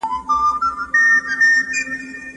ګڼ خلګ باید اوږد ډنډ ړنګ نه کړي.